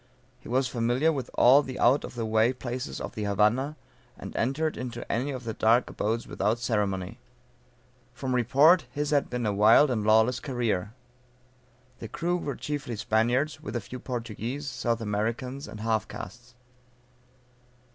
He was familiar with all the out of the way places of the Havana, and entered into any of the dark abodes without ceremony. From report his had been a wild and lawless career. The crew were chiefly Spaniards, with a few Portuguese, South Americans, and half castes.